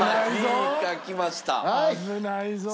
危ないぞー！